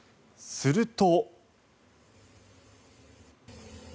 すると。